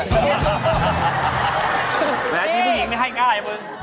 แม้ที่ผู้หญิงไม่ให้ใกล้